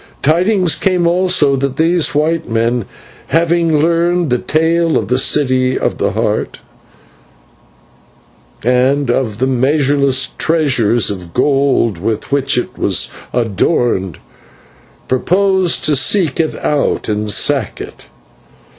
Tidings came also that these white men, having learned the tale of the City of the Heart and of the measureless treasures of gold with which it is adorned, purposed to seek it out to sack it.